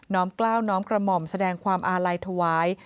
กล้าวน้อมกระหม่อมแสดงความอาลัยถวาย